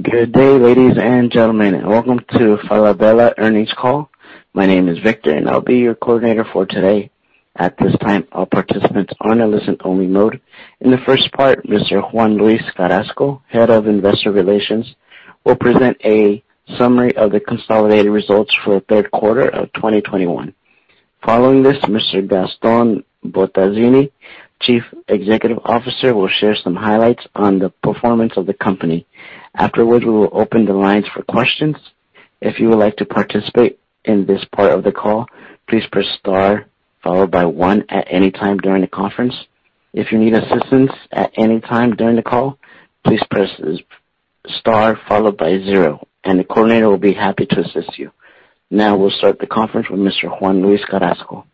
Good day, ladies and gentlemen. Welcome to Falabella Earnings Call. My name is Victor, and I'll be your coordinator for today. At this time, all participants are in a listen only mode. In the first part, Mr. Juan-Luis Carrasco, Head of Investor Relations, will present a summary of the consolidated results for third quarter of 2021. Following this, Mr. Gastón Bottazzini, Chief Executive Officer, will share some highlights on the performance of the company. Afterwards, we will open the lines for questions. If you would like to participate in this part of the call, please press star followed by one at any time during the conference. If you need assistance at any time during the call, please press star followed by zero, and the coordinator will be happy to assist you. Now we'll start the conference with Mr. Juan-Luis Carrasco.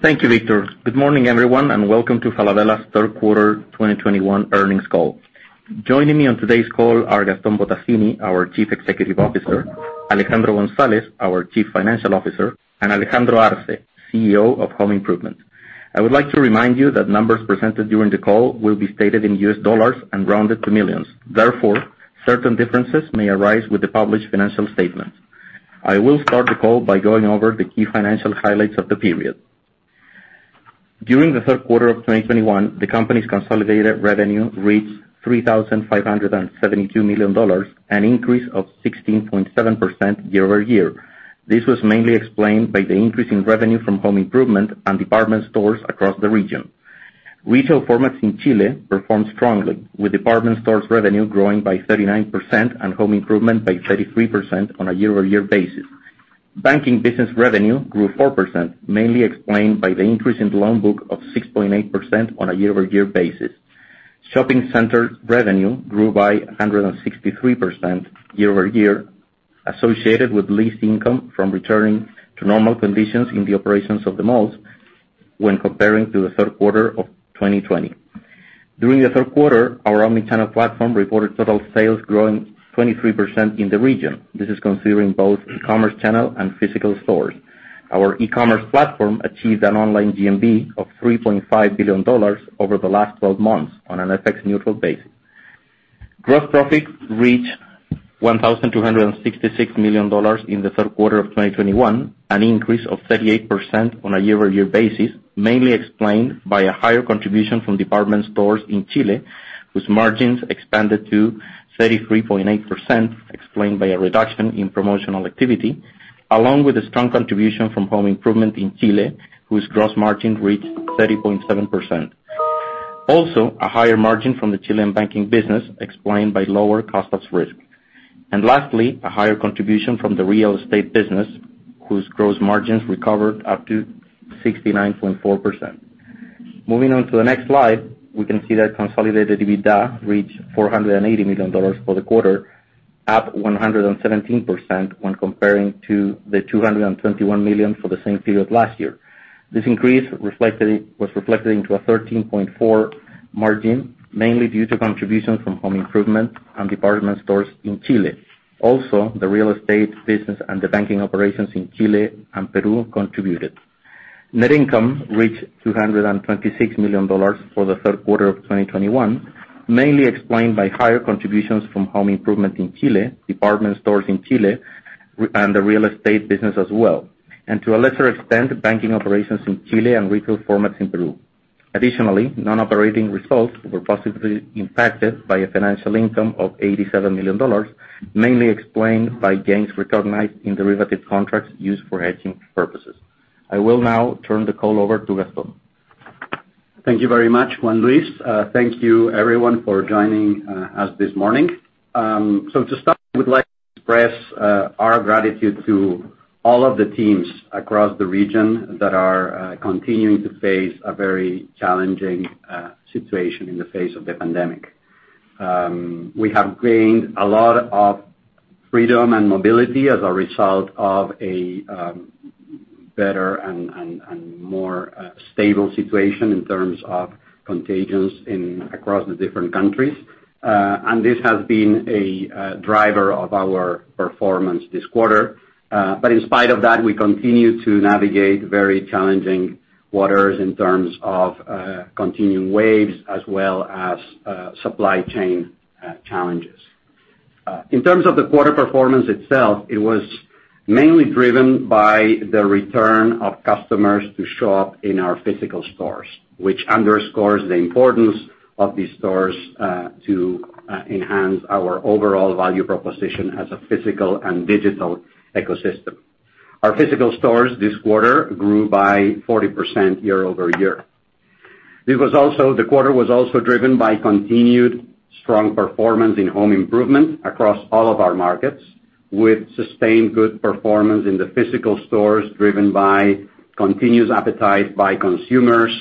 Thank you, Victor. Good morning, everyone, and welcome to Falabella's Third Quarter 2021 Earnings Call. Joining me on today's call are Gastón Bottazzini, our Chief Executive Officer, Alejandro González, our Chief Financial Officer, and Alejandro Arze, CEO of Home Improvement. I would like to remind you that numbers presented during the call will be stated in U.S. dollars and rounded to millions. Therefore, certain differences may arise with the published financial statements. I will start the call by going over the key financial highlights of the period. During the third quarter of 2021, the company's consolidated revenue reached $3,572 million, an increase of 16.7% year-over-year. This was mainly explained by the increase in revenue from home improvement and department stores across the region. Retail formats in Chile performed strongly, with department stores revenue growing by 39% and home improvement by 33% on a year-over-year basis. Banking business revenue grew 4%, mainly explained by the increase in loan book of 6.8% on a year-over-year basis. Shopping center revenue grew by 163% year-over-year, associated with lease income from returning to normal conditions in the operations of the malls when comparing to the third quarter of 2020. During the third quarter, our omnichannel platform reported total sales growing 23% in the region. This is considering both e-commerce channel and physical stores. Our e-commerce platform achieved an online GMV of $3.5 billion over the last 12 months on an FX neutral basis. Gross profit reached $1,266 million in the third quarter of 2021, an increase of 38% on a year-over-year basis, mainly explained by a higher contribution from department stores in Chile, whose margins expanded to 33.8%, explained by a reduction in promotional activity, along with a strong contribution from home improvement in Chile, whose gross margin reached 30.7%. Higher margin from the Chilean banking business explained by lower cost of risk. Lastly, a higher contribution from the real estate business, whose gross margins recovered up to 69.4%. Moving on to the next slide, we can see that consolidated EBITDA reached $480 million for the quarter, up 117% when comparing to the $221 million for the same period last year. This increase was reflected into a 13.4% margin, mainly due to contributions from home improvement and department stores in Chile. Also, the real estate business and the banking operations in Chile and Peru contributed. Net income reached $226 million for the third quarter of 2021, mainly explained by higher contributions from home improvement in Chile, department stores in Chile, and the real estate business as well, and to a lesser extent, banking operations in Chile and retail formats in Peru. Additionally, non-operating results were positively impacted by a financial income of $87 million, mainly explained by gains recognized in derivative contracts used for hedging purposes. I will now turn the call over to Gastón. Thank you very much, Juan Luis. Thank you everyone for joining us this morning. To start, we would like to express our gratitude to all of the teams across the region that are continuing to face a very challenging situation in the face of the pandemic. We have gained a lot of freedom and mobility as a result of a better and more stable situation in terms of contagions across the different countries. This has been a driver of our performance this quarter. In spite of that, we continue to navigate very challenging waters in terms of continuing waves as well as supply chain challenges. In terms of the quarter performance itself, it was mainly driven by the return of customers to shop in our physical stores, which underscores the importance of these stores to enhance our overall value proposition as a physical and digital ecosystem. Our physical stores this quarter grew by 40% year-over-year. The quarter was also driven by continued strong performance in home improvement across all of our markets, with sustained good performance in the physical stores driven by continuous appetite by consumers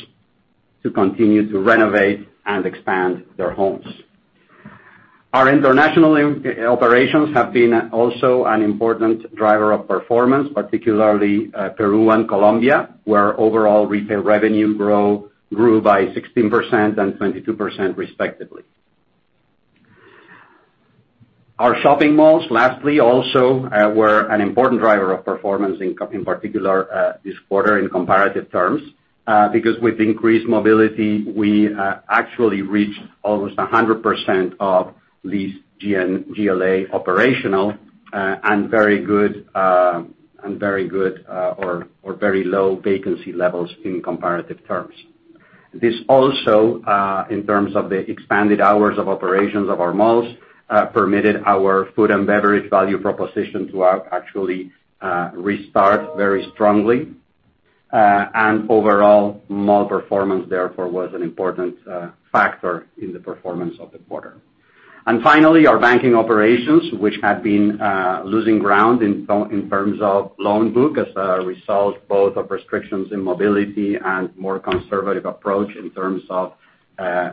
to continue to renovate and expand their homes. Our international operations have been also an important driver of performance, particularly Peru and Colombia, where overall retail revenue grew by 16% and 22% respectively. Our shopping malls, lastly, also were an important driver of performance in particular this quarter in comparative terms, because with increased mobility, we actually reached almost 100% of leased GLA operational, and very low vacancy levels in comparative terms. This also, in terms of the expanded hours of operations of our malls, permitted our food and beverage value proposition to actually restart very strongly. Overall, mall performance therefore was an important factor in the performance of the quarter. Finally, our banking operations, which had been losing ground in terms of loan book as a result both of restrictions in mobility and more conservative approach in terms of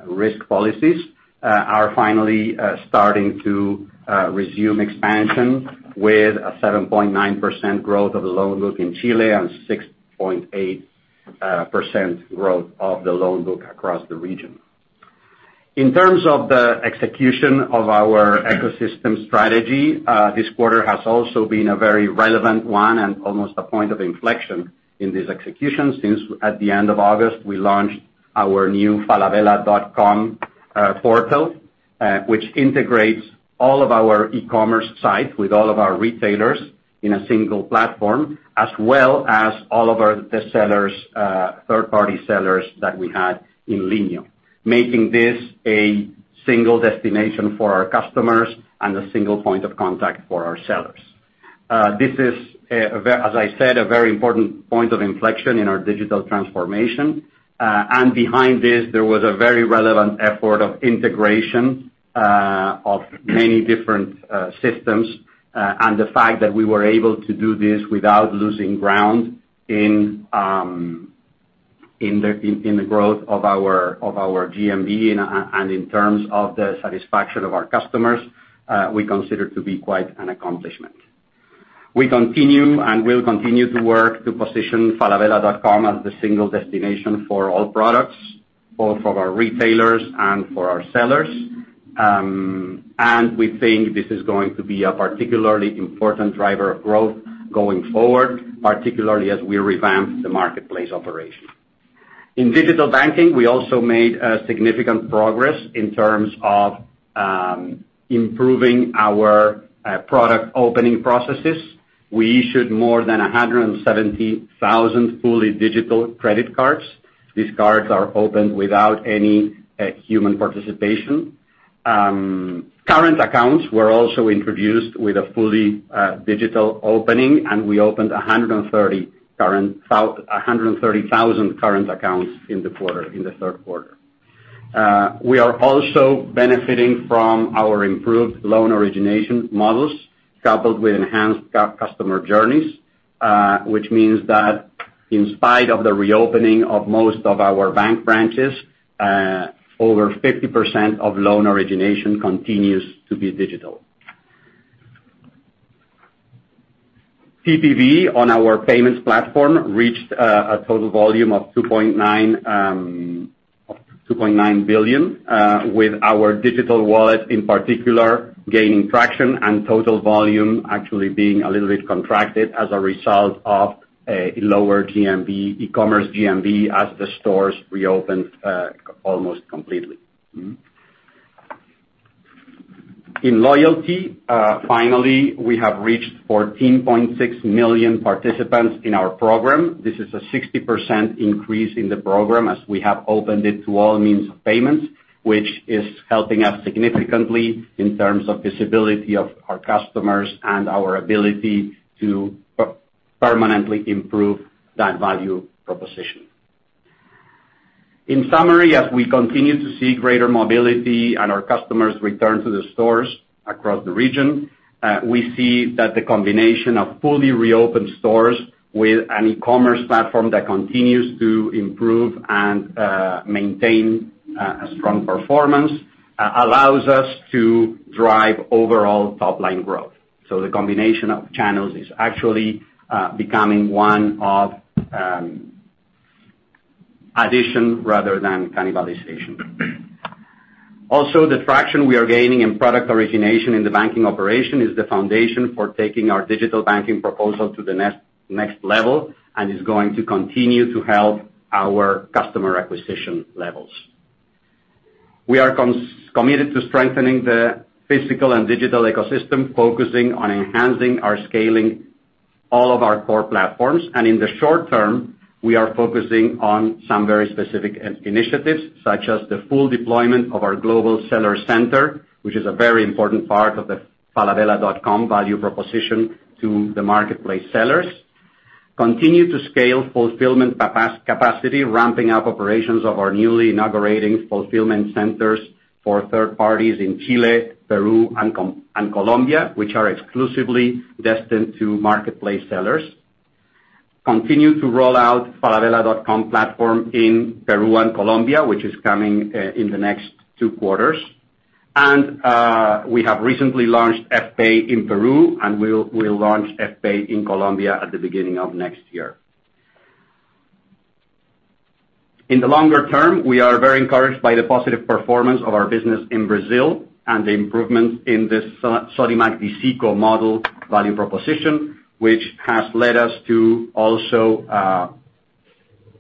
risk policies, are finally starting to resume expansion with a 7.9% growth of the loan book in Chile and 6.8% growth of the loan book across the region. In terms of the execution of our ecosystem strategy, this quarter has also been a very relevant one and almost a point of inflection in this execution since at the end of August, we launched our new falabella.com portal, which integrates all of our e-commerce sites with all of our retailers in a single platform, as well as all of our resellers, third-party sellers that we had in Linio, making this a single destination for our customers and a single point of contact for our sellers. This is, as I said, a very important point of inflection in our digital transformation. Behind this, there was a very relevant effort of integration of many different systems. The fact that we were able to do this without losing ground in the growth of our GMV and in terms of the satisfaction of our customers, we consider to be quite an accomplishment. We continue and will continue to work to position falabella.com as the single destination for all products, both for our retailers and for our sellers. We think this is going to be a particularly important driver of growth going forward, particularly as we revamp the marketplace operation. In digital banking, we also made a significant progress in terms of improving our product opening processes. We issued more than 170,000 fully digital credit cards. These cards are opened without any human participation. Current accounts were also introduced with a fully digital opening, and we opened 130,000 current accounts in the third quarter. We are also benefiting from our improved loan origination models coupled with enhanced customer journeys, which means that in spite of the reopening of most of our bank branches, over 50% of loan origination continues to be digital. TPV on our payments platform reached a total volume of $2.9 billion, with our digital wallet in particular gaining traction and total volume actually being a little bit contracted as a result of a lower GMV, e-commerce GMV as the stores reopened almost completely. In loyalty, finally, we have reached 14.6 million participants in our program. This is a 60% increase in the program as we have opened it to all means of payments, which is helping us significantly in terms of visibility of our customers and our ability to permanently improve that value proposition. In summary, as we continue to see greater mobility and our customers return to the stores across the region, we see that the combination of fully reopened stores with an e-commerce platform that continues to improve and maintain a strong performance allows us to drive overall top-line growth. The combination of channels is actually becoming one of addition rather than cannibalization. Also, the traction we are gaining in product origination in the banking operation is the foundation for taking our digital banking proposal to the next level and is going to continue to help our customer acquisition levels. We are committed to strengthening the physical and digital ecosystem, focusing on enhancing and scaling all of our core platforms. In the short term, we are focusing on some very specific initiatives, such as the full deployment of our Global Seller Center, which is a very important part of the falabella.com value proposition to the marketplace sellers. Continue to scale fulfillment capacity, ramping up operations of our newly inaugurated fulfillment centers for third parties in Chile, Peru, and Colombia, which are exclusively destined to marketplace sellers. Continue to roll out falabella.com platform in Peru and Colombia, which is coming in the next two quarters. We have recently launched Fpay in Peru, and we'll launch Fpay in Colombia at the beginning of next year. In the longer term, we are very encouraged by the positive performance of our business in Brazil and the improvements in this Sodimac Dicico model value proposition, which has led us to also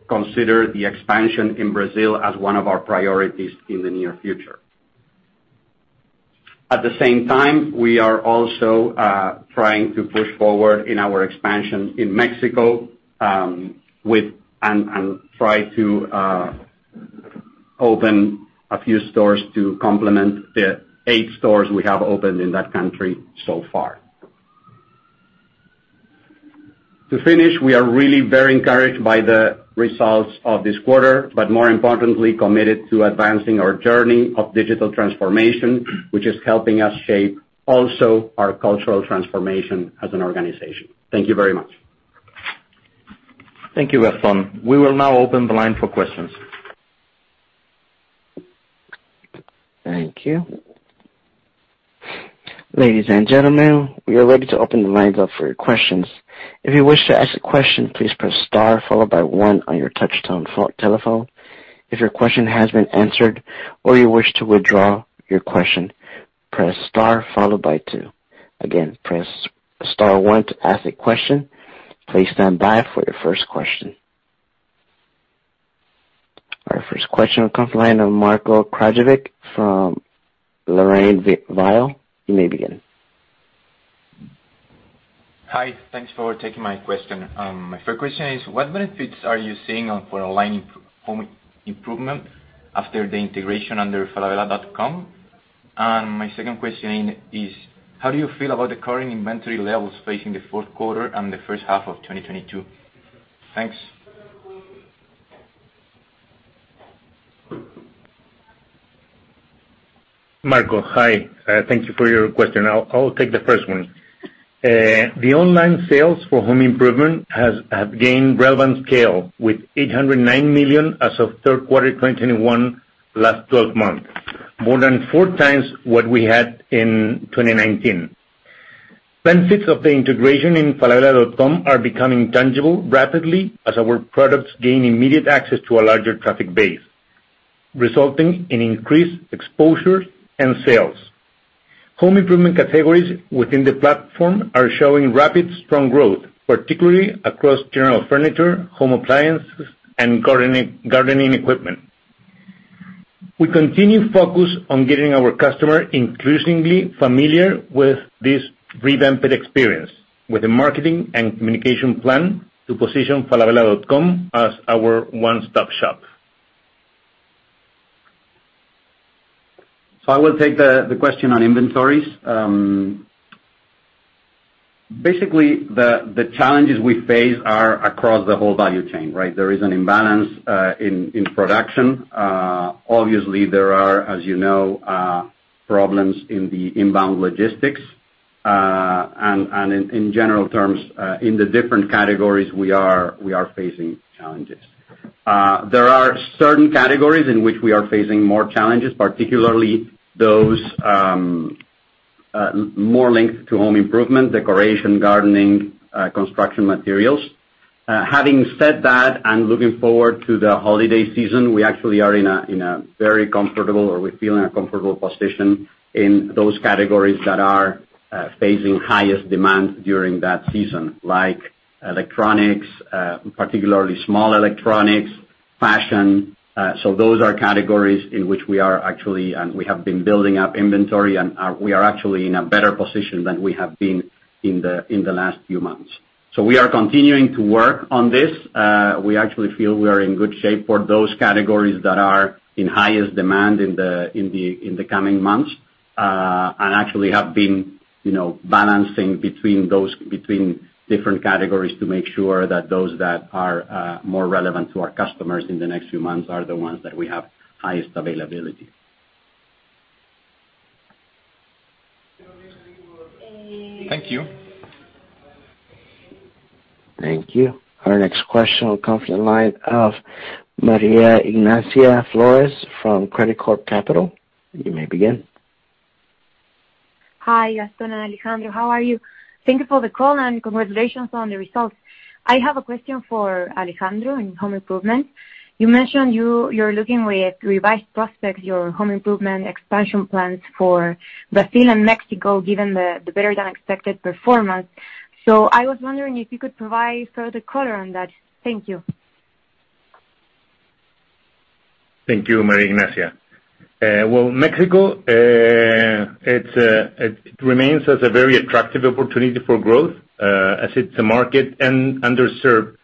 consider the expansion in Brazil as one of our priorities in the near future. At the same time, we are also trying to push forward in our expansion in Mexico and try to open a few stores to complement the eight stores we have opened in that country so far. To finish, we are really very encouraged by the results of this quarter, but more importantly, committed to advancing our journey of digital transformation, which is helping us shape also our cultural transformation as an organization. Thank you very much. Thank you, Gastón. We will now open the line for questions. Thank you. Ladies and gentlemen, we are ready to open the lines up for your questions. If you wish to ask a question, please press star followed by one on your touch tone telephone. If your question has been answered or you wish to withdraw your question, press star followed by two. Again, press star one to ask a question. Please stand by for your first question. Our first question will come from the line of Marko Kraljevic from LarrainVial. You may begin. Hi. Thanks for taking my question. My first question is, what benefits are you seeing from online home improvement after the integration under falabella.com? My second question is, how do you feel about the current inventory levels facing the fourth quarter and the first half of 2022? Thanks. Marco, hi, thank you for your question. I'll take the first one. The online sales for home improvement have gained relevant scale with $809 million as of Q3 2021, last 12 months, more than 4x what we had in 2019. Benefits of the integration in falabella.com are becoming tangible rapidly as our products gain immediate access to a larger traffic base, resulting in increased exposure and sales. Home improvement categories within the platform are showing rapid, strong growth, particularly across general furniture, home appliances and gardening equipment. We continue focus on getting our customer increasingly familiar with this revamped experience with a marketing and communication plan to position falabella.com as our one-stop shop. I will take the question on inventories. Basically, the challenges we face are across the whole value chain, right? There is an imbalance in production. Obviously, there are, as you know, problems in the inbound logistics, and in general terms, in the different categories we are facing challenges. There are certain categories in which we are facing more challenges, particularly those more linked to home improvement, decoration, gardening, construction materials. Having said that and looking forward to the holiday season, we actually are in a very comfortable or we feel in a comfortable position in those categories that are facing highest demand during that season, like electronics, particularly small electronics, fashion. Those are categories in which we are actually and we have been building up inventory and are in a better position than we have been in the last few months. We are continuing to work on this. We actually feel we are in good shape for those categories that are in highest demand in the coming months, and actually have been, you know, balancing between those different categories to make sure that those that are more relevant to our customers in the next few months are the ones that we have highest availability. Thank you. Thank you. Our next question will come from the line of Maria Ignacia Flores from Credicorp Capital. You may begin. Hi, Gastón and Alejandro. How are you? Thank you for the call and congratulations on the results. I have a question for Alejandro in home improvement. You mentioned you're looking with revised prospects, your home improvement expansion plans for Brazil and Mexico, given the better than expected performance. I was wondering if you could provide further color on that. Thank you. Thank you, Maria Ignacia. Mexico, it remains as a very attractive opportunity for growth, as it's a market underserved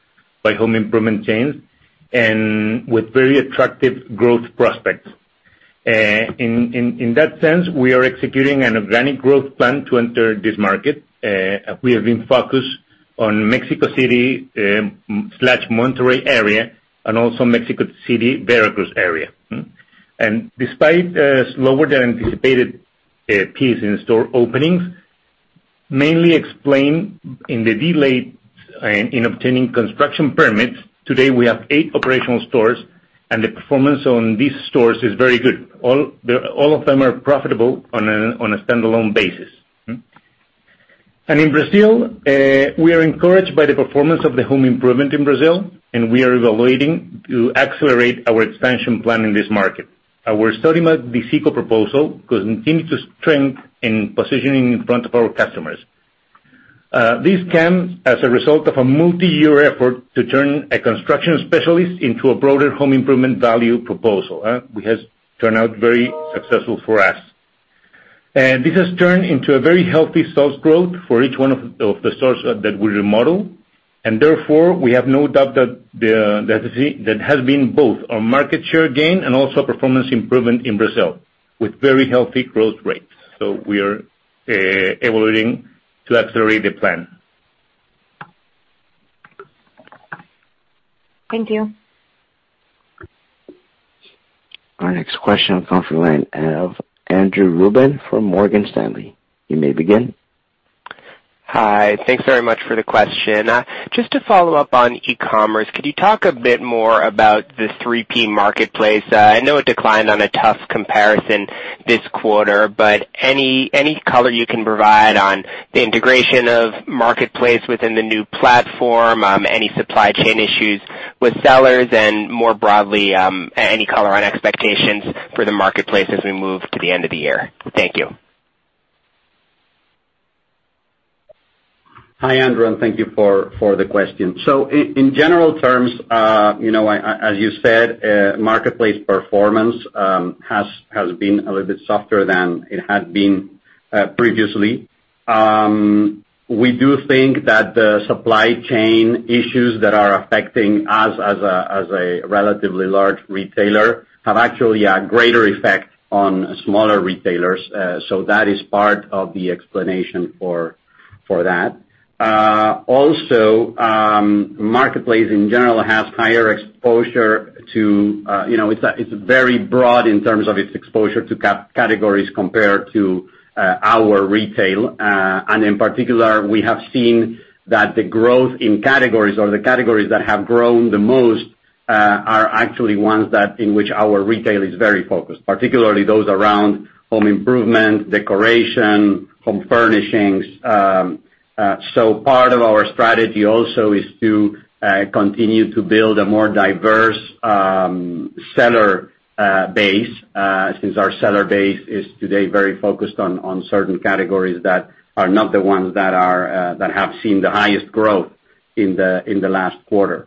by home improvement chains and with very attractive growth prospects. In that sense, we are executing an organic growth plan to enter this market. We have been focused on Mexico City/Monterrey area and also Mexico City, Veracruz area. Despite a slower than anticipated pace in store openings, mainly explained in the delays in obtaining construction permits, today we have eight operational stores, and the performance on these stores is very good. All of them are profitable on a standalone basis. In Brazil, we are encouraged by the performance of the home improvement in Brazil, and we are evaluating to accelerate our expansion plan in this market. Our study about the Dicico proposition continues to strengthen our positioning in front of our customers. This came as a result of a multi-year effort to turn a construction specialist into a broader home improvement value proposition, which has turned out very successful for us. This has turned into a very healthy sales growth for each one of the stores that we remodel. Therefore, we have no doubt that it has been both a market share gain and also performance improvement in Brazil with very healthy growth rates. We are evaluating to accelerate the plan. Thank you. Our next question comes from the line of Andrew Ruben from Morgan Stanley. You may begin. Hi. Thanks very much for the question. Just to follow up on e-commerce, could you talk a bit more about the 3P marketplace? I know it declined on a tough comparison this quarter, but any color you can provide on the integration of marketplace within the new platform, any supply chain issues with sellers and more broadly, any color on expectations for the marketplace as we move to the end of the year? Thank you. Hi, Andrew, and thank you for the question. In general terms, you know, as you said, marketplace performance has been a little bit softer than it had been previously. We do think that the supply chain issues that are affecting us as a relatively large retailer have actually a greater effect on smaller retailers. That is part of the explanation for that. Also, marketplace in general has higher exposure to, you know, it's very broad in terms of its exposure to categories compared to our retail. In particular, we have seen that the growth in categories or the categories that have grown the most are actually ones that in which our retail is very focused, particularly those around home improvement, decoration, home furnishings. Part of our strategy also is to continue to build a more diverse seller base since our seller base is today very focused on certain categories that are not the ones that have seen the highest growth in the last quarter.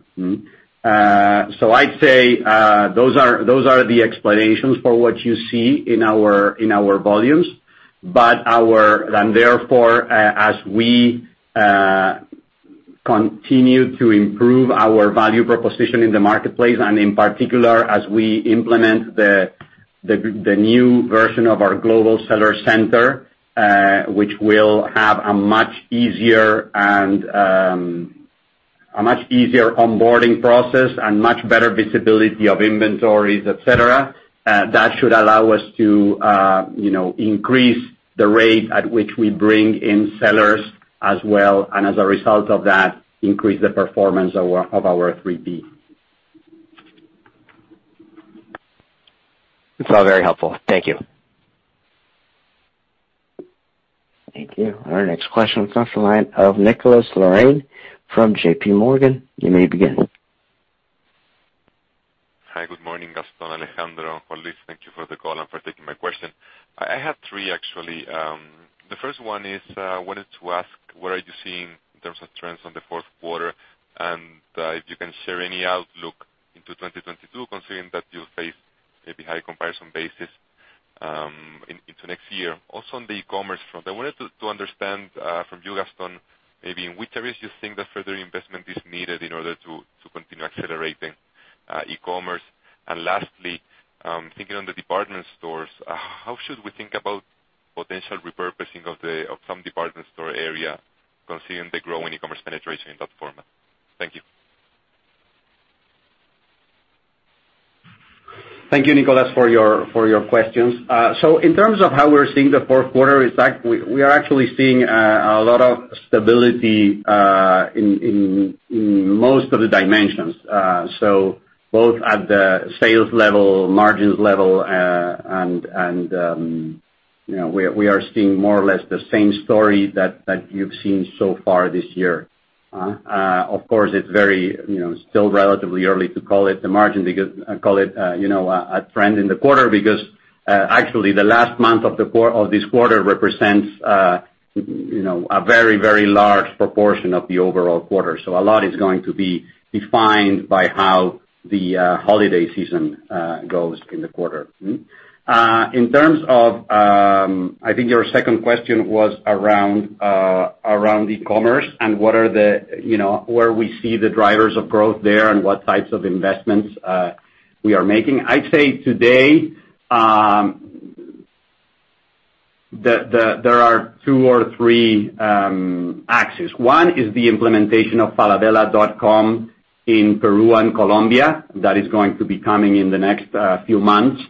I'd say those are the explanations for what you see in our volumes. Our... Therefore, as we continue to improve our value proposition in the marketplace, and in particular, as we implement the new version of our global seller center, which will have a much easier onboarding process and much better visibility of inventories, et cetera, that should allow us to, you know, increase the rate at which we bring in sellers as well, and as a result of that, increase the performance of our 3P. It's all very helpful. Thank you. Thank you. Our next question comes from the line of Nicolás Larrain from JPMorgan. You may begin. Hi. Good morning, Gastón, Alejandro, Juan-Luis. Thank you for the call and for taking my question. I have three, actually. The first one is, I wanted to ask, what are you seeing in terms of trends on the fourth quarter, and, if you can share any outlook into 2022, considering that you face maybe high comparison basis, into next year. Also on the e-commerce front, I wanted to understand, from you, Gastón, maybe in which areas you think that further investment is needed in order to continue accelerating, e-commerce. Lastly, thinking on the department stores, how should we think about potential repurposing of some department store area, considering the growing e-commerce penetration in that format? Thank you. Thank you, Nicolás, for your questions. In terms of how we're seeing the fourth quarter, in fact, we are actually seeing a lot of stability in most of the dimensions. Both at the sales level, margins level, and you know, we are seeing more or less the same story that you've seen so far this year. Of course, it's very you know, still relatively early to call it the margin, a trend in the quarter because actually the last month of this quarter represents you know, a very large proportion of the overall quarter. A lot is going to be defined by how the holiday season goes in the quarter. In terms of, I think your second question was around e-commerce and what are the, you know, where we see the drivers of growth there and what types of investments we are making. I'd say today, there are two or three axes. One is the implementation of falabella.com in Peru and Colombia. That is going to be coming in the next few months.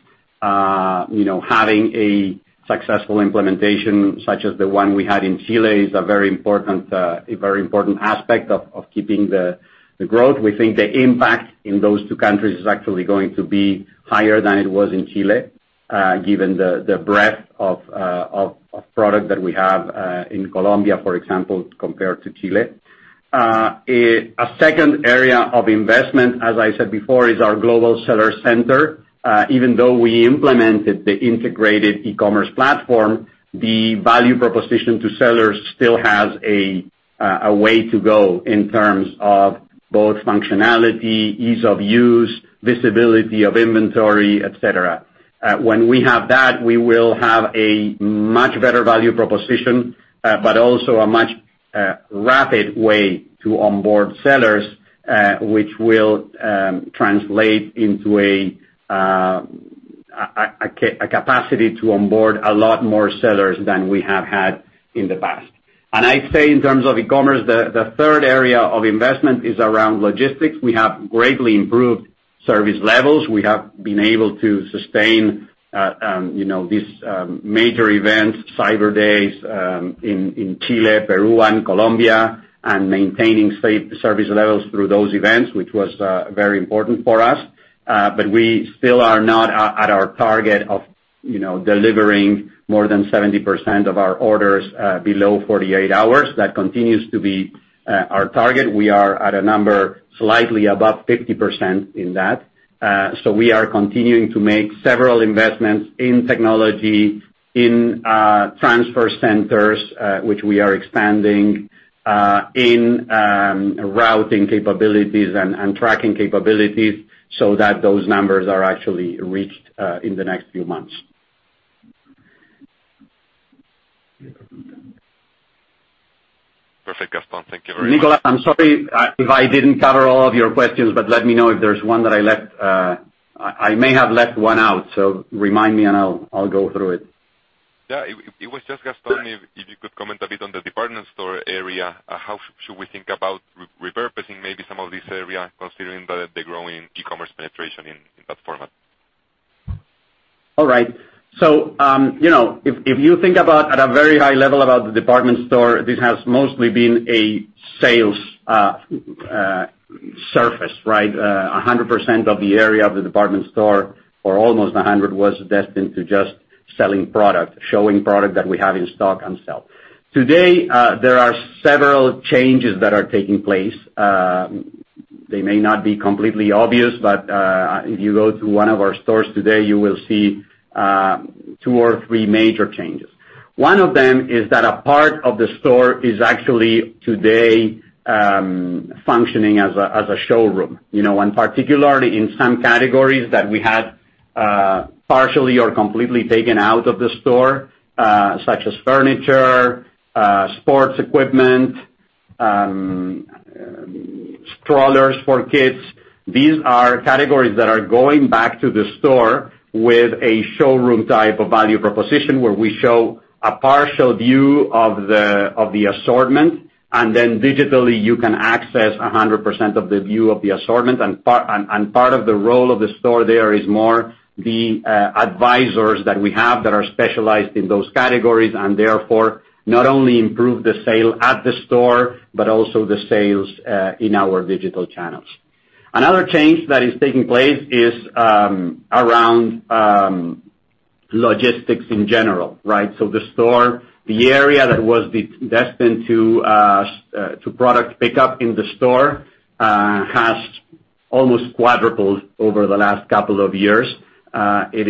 You know, having a successful implementation such as the one we had in Chile is a very important aspect of keeping the growth. We think the impact in those two countries is actually going to be higher than it was in Chile, given the breadth of product that we have in Colombia, for example, compared to Chile. A second area of investment, as I said before, is our Global Seller Center. Even though we implemented the integrated e-commerce platform, the value proposition to sellers still has a way to go in terms of both functionality, ease of use, visibility of inventory, et cetera. When we have that, we will have a much better value proposition, but also a much more rapid way to onboard sellers, which will translate into a capacity to onboard a lot more sellers than we have had in the past. I'd say in terms of e-commerce, the third area of investment is around logistics. We have greatly improved service levels. We have been able to sustain, you know, these major events, Cyber Day in Chile, Peru, and Colombia, and maintaining safe service levels through those events, which was very important for us. We still are not at our target of, you know, delivering more than 70% of our orders below 48 hours. That continues to be our target. We are at a number slightly above 50% in that. We are continuing to make several investments in technology, transfer centers, which we are expanding in routing capabilities and tracking capabilities so that those numbers are actually reached in the next few months. Perfect, Gastón. Thank you very much. Nicolás, I'm sorry if I didn't cover all of your questions, but let me know if there's one that I left. I may have left one out, so remind me and I'll go through it. Yeah. It was just, Gastón- Sure. If you could comment a bit on the department store area. How should we think about repurposing maybe some of this area considering the growing e-commerce penetration in that format? All right. You know, if you think about at a very high level about the department store, this has mostly been a sales surface, right? 100% of the area of the department store or almost 100% was destined to just selling product, showing product that we have in stock and sell. Today, there are several changes that are taking place. They may not be completely obvious, but if you go to one of our stores today, you will see two or three major changes. One of them is that a part of the store is actually today functioning as a showroom. You know, and particularly in some categories that we had partially or completely taken out of the store, such as furniture, sports equipment, strollers for kids. These are categories that are going back to the store with a showroom type of value proposition where we show a partial view of the assortment and then digitally you can access 100% of the view of the assortment. Part of the role of the store there is more the advisors that we have that are specialized in those categories and therefore not only improve the sale at the store, but also the sales in our digital channels. Another change that is taking place is around logistics in general, right? The store, the area that was destined to product pickup in the store has almost quadrupled over the last couple of years. It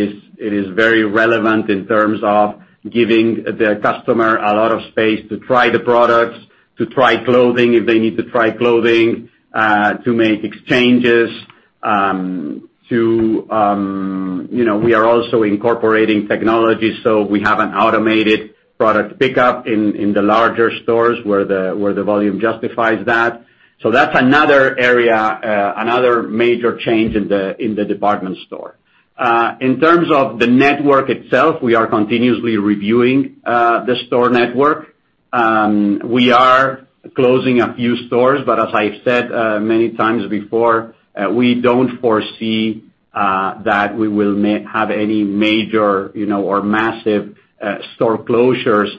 is very relevant in terms of giving the customer a lot of space to try the products, to try clothing if they need to try clothing, to make exchanges, you know, we are also incorporating technology, so we have an automated product pickup in the larger stores where the volume justifies that. That's another area, another major change in the department store. In terms of the network itself, we are continuously reviewing the store network. We are closing a few stores, but as I've said, many times before, we don't foresee that we will have any major, you know, or massive, store closures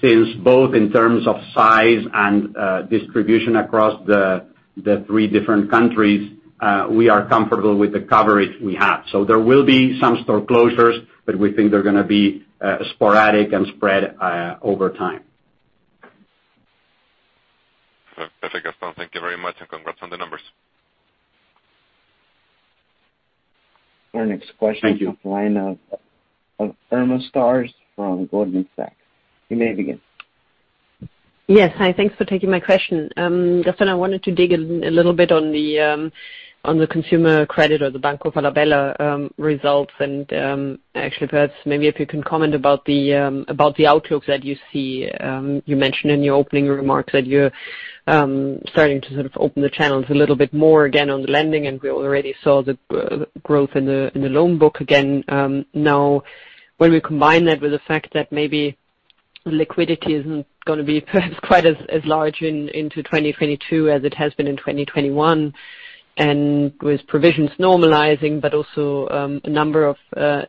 since both in terms of size and distribution across the three different countries, we are comfortable with the coverage we have. There will be some store closures, but we think they're gonna be sporadic and spread over time. Perfect. Gastón, thank you very much, and congrats on the numbers. Our next question. Thank you. From the line of Irma Sgarz from Goldman Sachs. You may begin. Yes. Hi, thanks for taking my question. Gastón, I wanted to dig in a little bit on the consumer credit or the Banco Falabella results. Actually, perhaps maybe if you can comment about the outlook that you see. You mentioned in your opening remarks that you're starting to sort of open the channels a little bit more again on the lending, and we already saw the growth in the loan book again. Now when we combine that with the fact that maybe liquidity isn't gonna be perhaps quite as large into 2022 as it has been in 2021. With provisions normalizing, but also a number of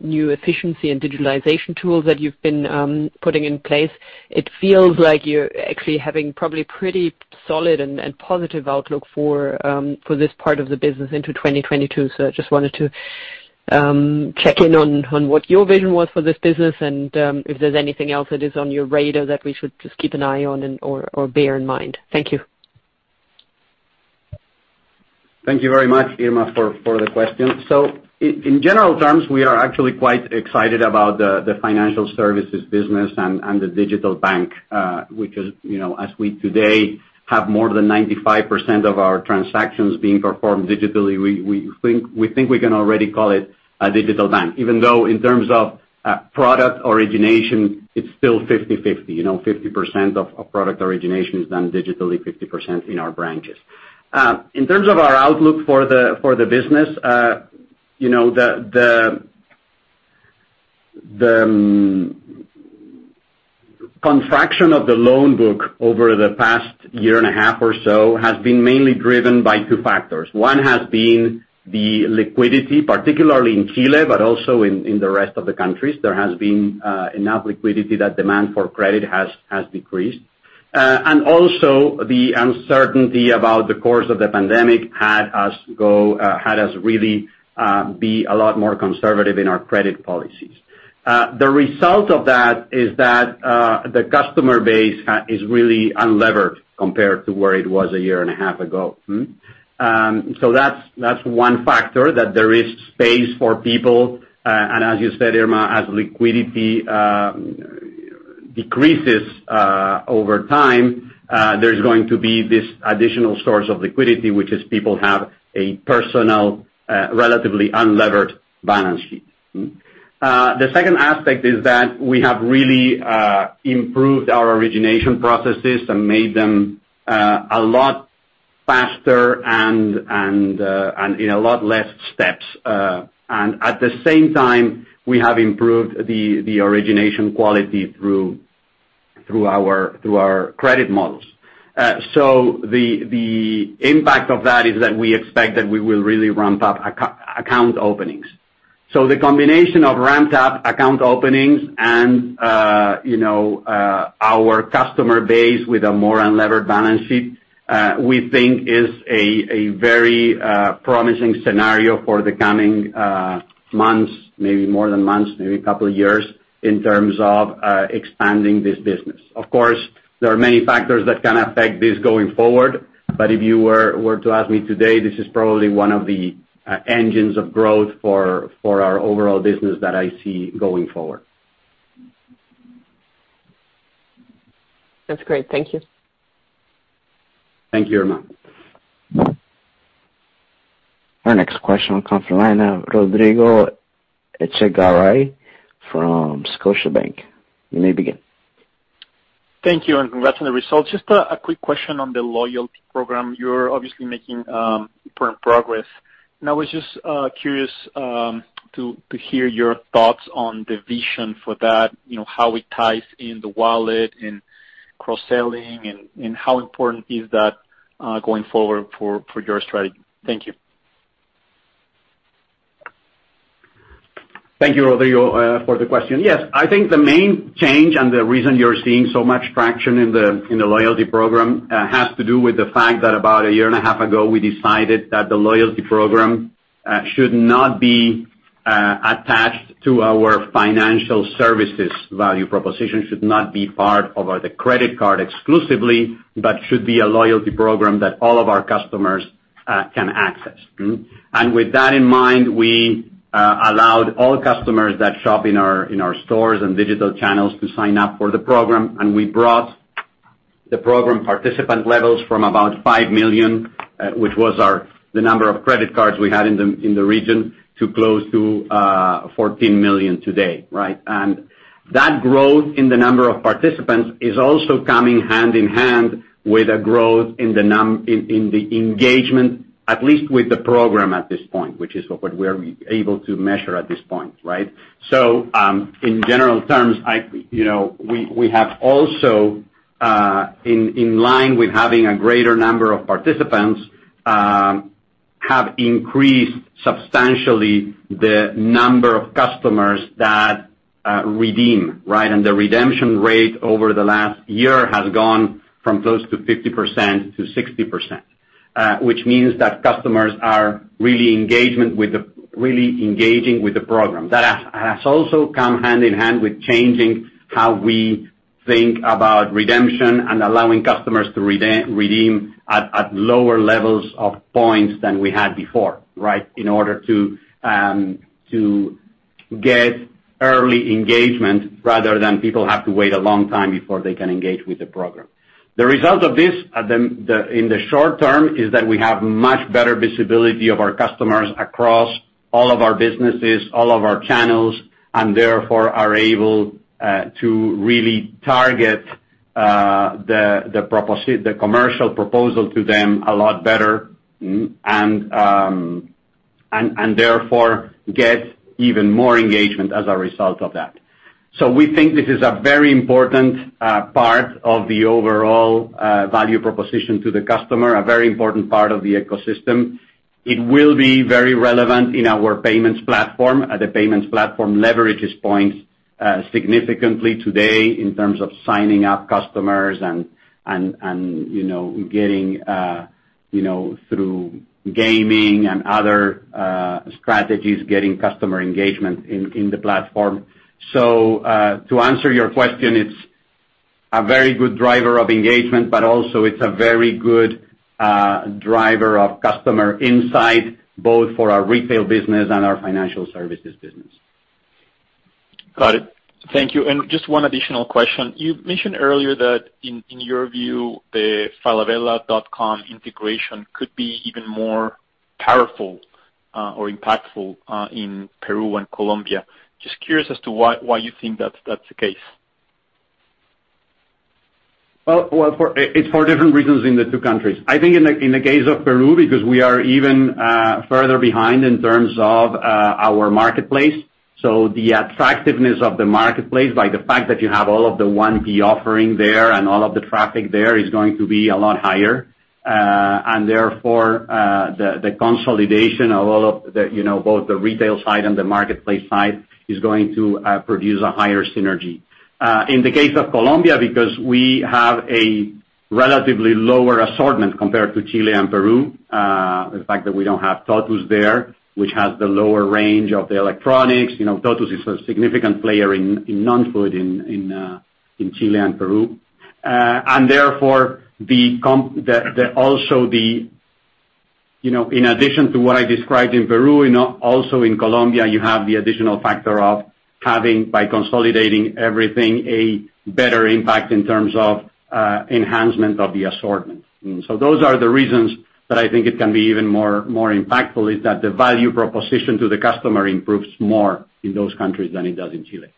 new efficiency and digitalization tools that you've been putting in place, it feels like you're actually having probably pretty solid and positive outlook for this part of the business into 2022. I just wanted to check in on what your vision was for this business and if there's anything else that is on your radar that we should just keep an eye on or bear in mind. Thank you. Thank you very much, Irma, for the question. In general terms, we are actually quite excited about the financial services business and the digital bank, which is, you know, as we today have more than 95% of our transactions being performed digitally, we think we can already call it a digital bank. Even though in terms of product origination, it's still 50/50, you know, 50% of a product origination is done digitally, 50% in our branches. In terms of our outlook for the business, you know, the contraction of the loan book over the past year and a half or so has been mainly driven by two factors. One has been the liquidity, particularly in Chile, but also in the rest of the countries. There has been enough liquidity that demand for credit has decreased. The uncertainty about the course of the pandemic had us really be a lot more conservative in our credit policies. The result of that is that the customer base is really unlevered compared to where it was a year and a half ago. That's one factor, that there is space for people. As you said, Irma, as liquidity decreases over time, there's going to be this additional source of liquidity, which is people have a personal relatively unlevered balance sheet. The second aspect is that we have really improved our origination processes and made them a lot faster and in a lot less steps. At the same time we have improved the origination quality through our credit models. The impact of that is that we expect that we will really ramp up account openings. The combination of ramped up account openings and, you know, our customer base with a more unlevered balance sheet, we think is a very promising scenario for the coming months, maybe more than months, maybe a couple of years, in terms of expanding this business. Of course, there are many factors that can affect this going forward. If you were to ask me today, this is probably one of the engines of growth for our overall business that I see going forward. That's great. Thank you. Thank you, Irma. Our next question will come from the line of Rodrigo Echagaray from Scotiabank. You may begin. Thank you, and congrats on the results. Just a quick question on the loyalty program. You're obviously making progress. I was just curious to hear your thoughts on the vision for that, you know, how it ties in the wallet and cross-selling, and how important is that going forward for your strategy? Thank you. Thank you, Rodrigo, for the question. Yes, I think the main change and the reason you're seeing so much traction in the loyalty program has to do with the fact that about a year and a half ago, we decided that the loyalty program should not be attached to our financial services value proposition, should not be part of the credit card exclusively, but should be a loyalty program that all of our customers can access. With that in mind, we allowed all customers that shop in our stores and digital channels to sign up for the program, and we brought the program participant levels from about 5 million, which was the number of credit cards we had in the region, to close to 14 million today, right? That growth in the number of participants is also coming hand-in-hand with a growth in the engagement, at least with the program at this point, which is what we are able to measure at this point, right? In general terms, you know, we have also, in line with having a greater number of participants, have increased substantially the number of customers that redeem, right? The redemption rate over the last year has gone from close to 50%-60%, which means that customers are really engaging with the program. That has also come hand-in-hand with changing how we think about redemption and allowing customers to redeem at lower levels of points than we had before, right? In order to get early engagement rather than people have to wait a long time before they can engage with the program. The result of this in the short term is that we have much better visibility of our customers across all of our businesses, all of our channels, and therefore are able to really target the commercial proposal to them a lot better, and therefore get even more engagement as a result of that. We think this is a very important part of the overall value proposition to the customer, a very important part of the ecosystem. It will be very relevant in our payments platform. The payments platform leverages points significantly today in terms of signing up customers and you know getting you know through gaming and other strategies getting customer engagement in the platform. To answer your question, it's a very good driver of engagement, but also it's a very good driver of customer insight, both for our retail business and our financial services business. Got it. Thank you. Just one additional question. You mentioned earlier that in your view, the falabella.com integration could be even more powerful or impactful in Peru and Colombia. Just curious as to why you think that's the case? Well, it's for different reasons in the two countries. I think in the case of Peru, because we are even further behind in terms of our marketplace, so the attractiveness of the marketplace by the fact that you have all of the 1P offering there and all of the traffic there is going to be a lot higher. Therefore, the consolidation of all of the, you know, both the retail side and the marketplace side is going to produce a higher synergy. In the case of Colombia, because we have a relatively lower assortment compared to Chile and Peru, the fact that we don't have Tottus there, which has the lower range of the electronics. You know, Tottus is a significant player in non-food in Chile and Peru. You know, in addition to what I described in Peru, also in Colombia, you have the additional factor of having, by consolidating everything, a better impact in terms of enhancement of the assortment. Those are the reasons that I think it can be even more impactful, in that the value proposition to the customer improves more in those countries than it does in Chile.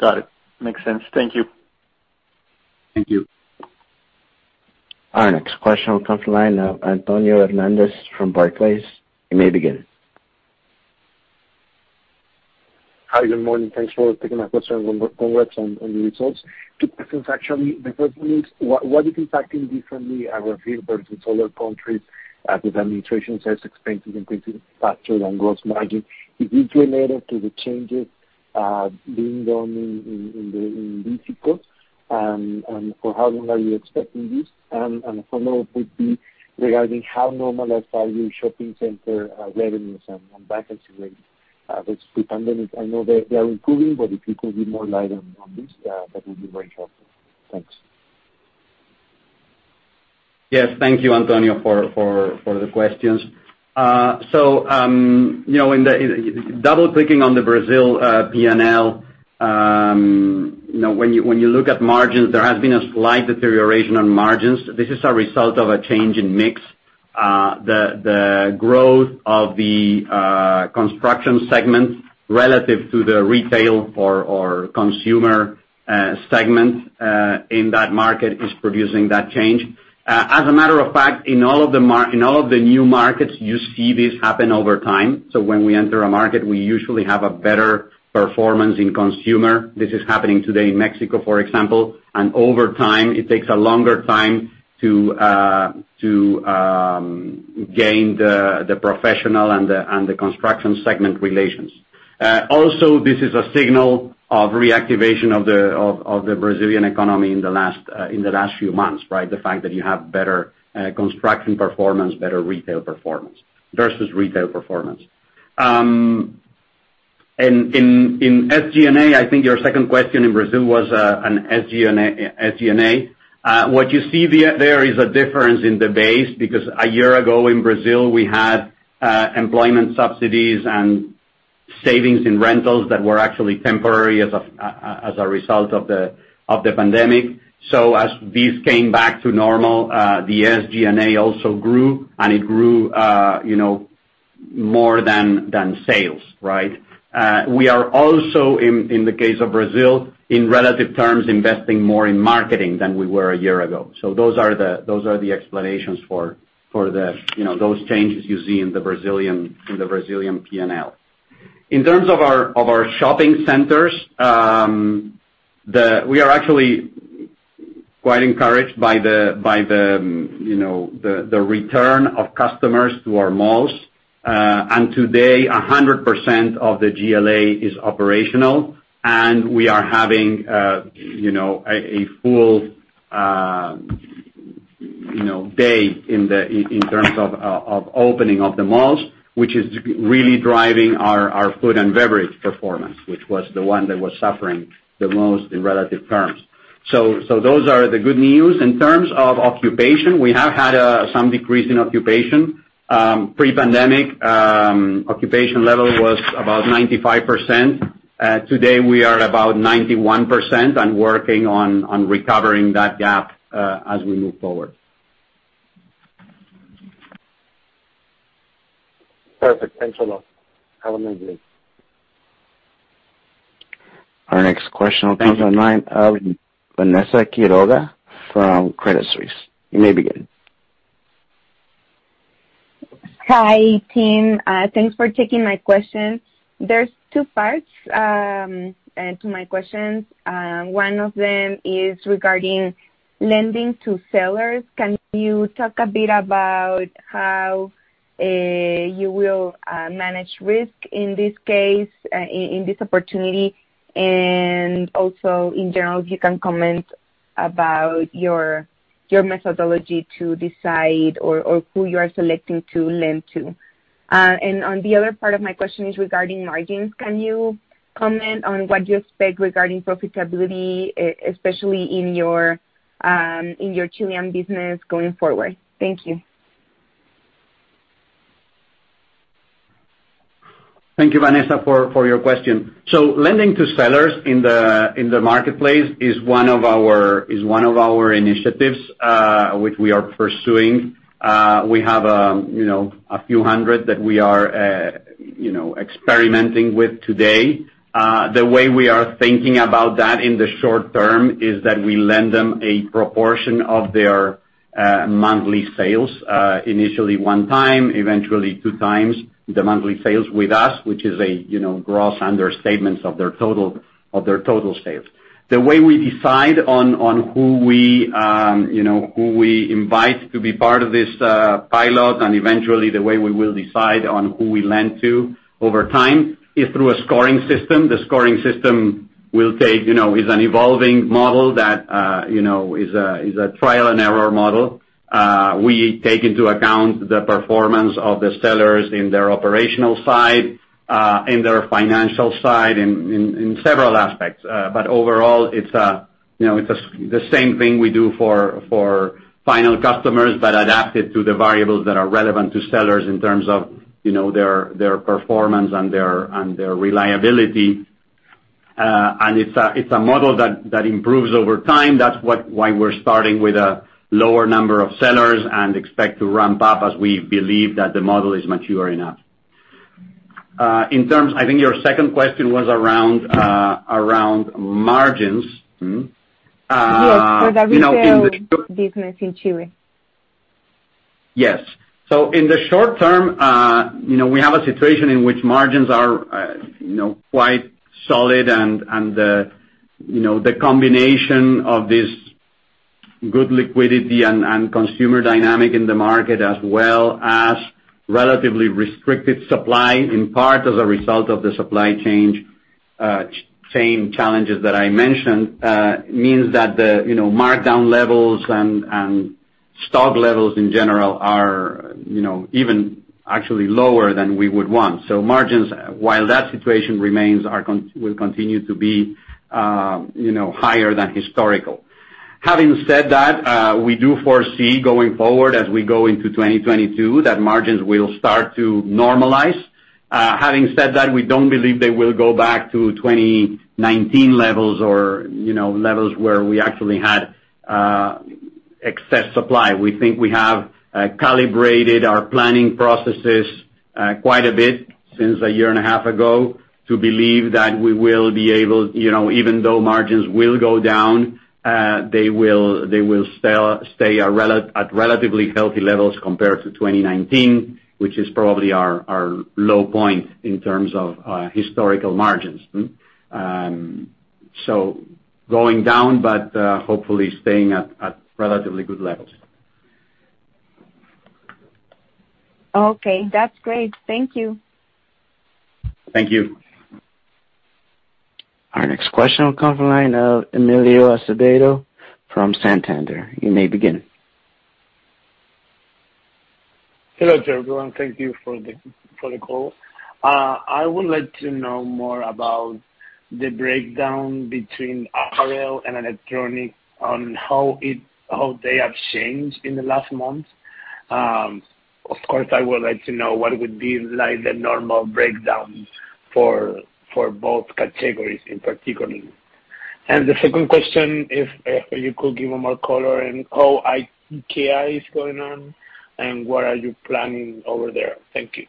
Got it. Makes sense. Thank you. Thank you. Our next question will come from line of Antonio Hernández from Barclays. You may begin. Hi, good morning. Thanks for taking my question. Congrats on the results. Two questions, actually. The first one is what is impacting differently our Chile versus other countries after the admin SG&A expenses increasing faster than gross margin? Is this related to the changes being done in Chile? For how long are you expecting this? The follow-up would be regarding how normalized are your shopping center revenues and vacancy rates with pre-pandemic? I know they are improving, but if you could shed more light on this, that would be very helpful. Thanks. Yes. Thank you, Antonio, for the questions. You know, double-clicking on the Brazil P&L, you know, when you look at margins, there has been a slight deterioration on margins. This is a result of a change in mix. The growth of the construction segment relative to the retail or consumer segment in that market is producing that change. As a matter of fact, in all of the new markets, you see this happen over time. When we enter a market, we usually have a better performance in consumer. This is happening today in Mexico, for example. Over time, it takes a longer time to gain the professional and the construction segment relations. Also this is a signal of reactivation of the Brazilian economy in the last few months, right? The fact that you have better construction performance, better retail performance versus retail performance. In SG&A, I think your second question in Brazil was an SG&A. What you see there is a difference in the base because a year ago in Brazil, we had employment subsidies and savings in rentals that were actually temporary as a result of the pandemic. As this came back to normal, the SG&A also grew, and it grew, you know, more than sales, right? We are also in the case of Brazil, in relative terms, investing more in marketing than we were a year ago. Those are the explanations for the you know those changes you see in the Brazilian P&L. In terms of our shopping centers, we are actually quite encouraged by the you know the return of customers to our malls. Today, 100% of the GLA is operational, and we are having you know a full day in terms of opening of the malls, which is really driving our food and beverage performance, which was the one that was suffering the most in relative terms. Those are the good news. In terms of occupation, we have had some decrease in occupation. Pre-pandemic, occupation level was about 95%. Today, we are about 91% and working on recovering that gap as we move forward. Perfect. Thanks a lot. Have a nice day. Next question will come from the line of Vanessa Quiroga from Credit Suisse. You may begin. Hi, team. Thanks for taking my question. There's two parts to my questions. One of them is regarding lending to sellers. Can you talk a bit about how you will manage risk in this case, in this opportunity? Also, in general, if you can comment about your methodology to decide or who you are selecting to lend to. On the other part of my question is regarding margins. Can you comment on what you expect regarding profitability, especially in your Chilean business going forward? Thank you. Thank you, Vanessa, for your question. Lending to sellers in the marketplace is one of our initiatives which we are pursuing. We have, you know, a few hundred that we are, you know, experimenting with today. The way we are thinking about that in the short term is that we lend them a proportion of their monthly sales, initially one time, eventually two times the monthly sales with us, which is a, you know, gross understatements of their total sales. The way we decide on who we, you know, who we invite to be part of this pilot and eventually the way we will decide on who we lend to over time is through a scoring system. The scoring system will take, you know, is an evolving model that, you know, is a trial and error model. We take into account the performance of the sellers in their operational side, in their financial side, in several aspects. Overall, it's, you know, it's the same thing we do for final customers, but adapted to the variables that are relevant to sellers in terms of, you know, their performance and their reliability. It's a model that improves over time. That's why we're starting with a lower number of sellers and expect to ramp up as we believe that the model is mature enough. In terms, I think your second question was around margins. Yes. Uh, you know, in the- For the retail business in Chile. Yes. In the short term, you know, we have a situation in which margins are, you know, quite solid and the combination of this good liquidity and consumer dynamic in the market, as well as relatively restricted supply in part as a result of the supply chain chain challenges that I mentioned, means that the, you know, markdown levels and stock levels in general are, you know, even actually lower than we would want. Margins, while that situation remains, will continue to be, you know, higher than historical. Having said that, we do foresee going forward as we go into 2022, that margins will start to normalize. Having said that, we don't believe they will go back to 2019 levels or, you know, levels where we actually had excess supply. We think we have calibrated our planning processes quite a bit since a year and a half ago to believe that we will be able. You know, even though margins will go down, they will still stay at relatively healthy levels compared to 2019, which is probably our low point in terms of historical margins. Going down, but hopefully staying at relatively good levels. Okay. That's great. Thank you. Thank you. Our next question will come from the line of Emilio Acevedo from Santander. You may begin. Hello to everyone. Thank you for the call. I would like to know more about the breakdown between apparel and electronics on how they have changed in the last month. Of course, I would like to know what would be like the normal breakdowns for both categories in particular. The second question is if you could give more color in how IKEA is going on, and what are you planning over there? Thank you.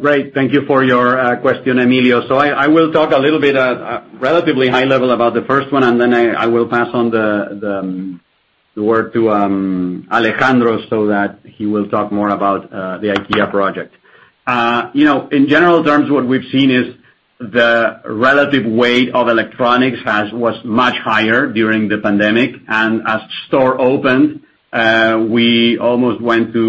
Great. Thank you for your question, Emilio. I will talk a little bit at relatively high level about the first one, and then I will pass on the word to Alejandro so that he will talk more about the IKEA project. You know, in general terms, what we've seen is the relative weight of electronics was much higher during the pandemic. As stores opened, we almost went to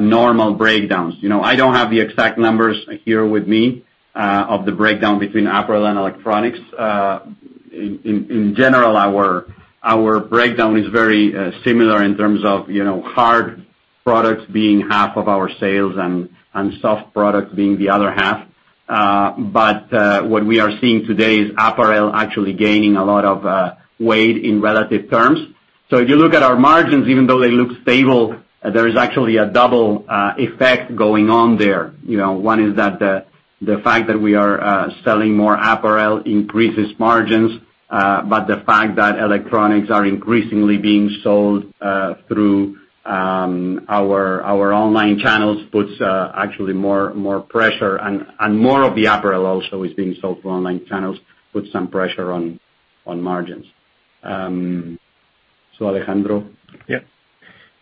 normal breakdowns. You know, I don't have the exact numbers here with me of the breakdown between apparel and electronics. In general, our breakdown is very similar in terms of you know, hard products being half of our sales and soft products being the other half. What we are seeing today is apparel actually gaining a lot of weight in relative terms. If you look at our margins, even though they look stable, there is actually a double effect going on there. You know, one is that the fact that we are selling more apparel increases margins, but the fact that electronics are increasingly being sold through our online channels puts actually more pressure and more of the apparel also is being sold through online channels, puts some pressure on margins. Alejandro.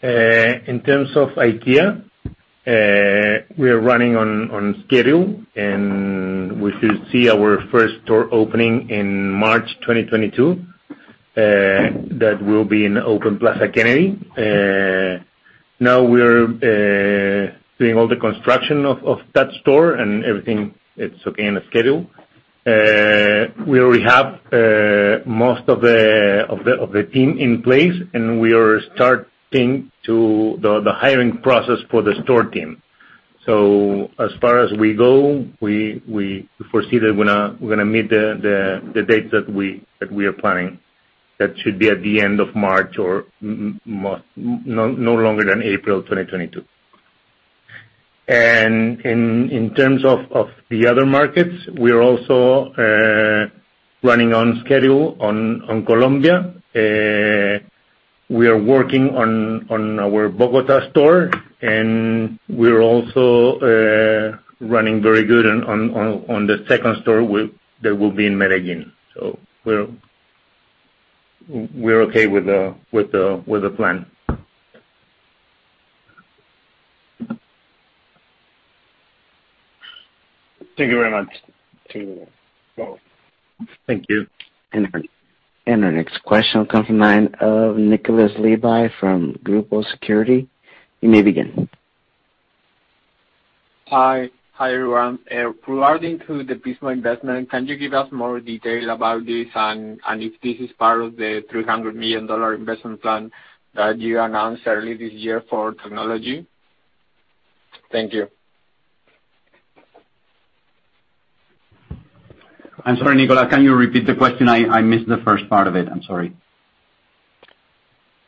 In terms of IKEA, we are running on schedule, and we should see our first store opening in March 2022. That will be in Open Plaza Kennedy. Now we're doing all the construction of that store and everything. It's on schedule. We already have most of the team in place, and we are starting the hiring process for the store team. As far as we go, we foresee that we're gonna meet the date that we are planning. That should be at the end of March or no longer than April 2022. In terms of the other markets, we are also running on schedule on Colombia. We are working on our Bogotá store, and we're also running very good on the second store that will be in Medellín. We're okay with the plan. Thank you very much to you both. Thank you. Our next question comes from the line of Nicolás Levy from Grupo Security. You may begin. Hi. Hi, everyone. Regarding to the Pismo investment, can you give us more detail about this and if this is part of the $300 million investment plan that you announced early this year for technology? Thank you. I'm sorry, Nicolás, can you repeat the question? I missed the first part of it. I'm sorry.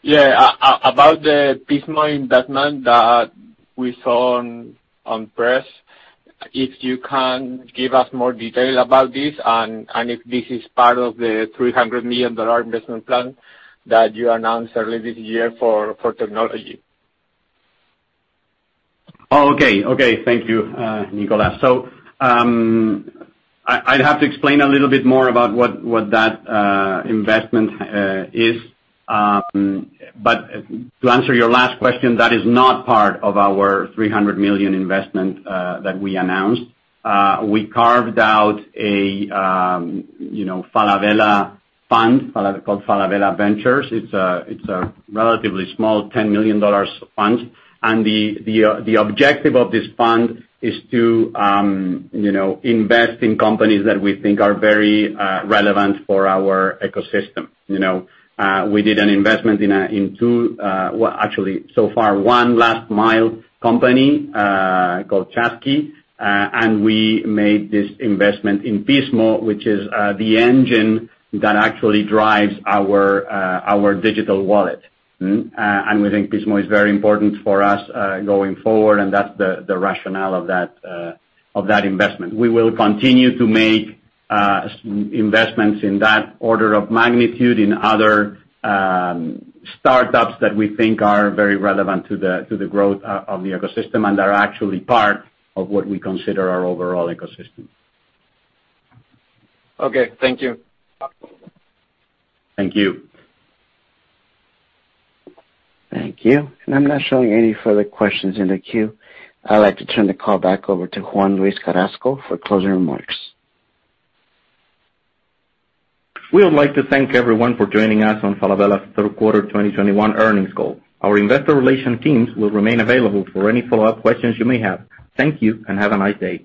Yeah. About the Pismo investment that we saw in the press, if you can give us more detail about this and if this is part of the $300 million investment plan that you announced early this year for technology. Thank you, Nicolás. I'd have to explain a little bit more about what that investment is. But to answer your last question, that is not part of our $300 million investment that we announced. We carved out a Falabella fund called Falabella Ventures. It's a relatively small $10 million fund. The objective of this fund is to invest in companies that we think are very relevant for our ecosystem. You know, we did an investment in, actually so far one last mile company called Chazki. We made this investment in Pismo, which is the engine that actually drives our digital wallet. We think Pismo is very important for us going forward, and that's the rationale of that investment. We will continue to make investments in that order of magnitude in other startups that we think are very relevant to the growth of the ecosystem and are actually part of what we consider our overall ecosystem. Okay. Thank you. Thank you. Thank you. I'm not showing any further questions in the queue. I'd like to turn the call back over to Juan-Luis Carrasco for closing remarks. We would like to thank everyone for joining us on Falabella's Third Quarter 2021 Earnings Call. Our investor relation teams will remain available for any follow-up questions you may have. Thank you and have a nice day.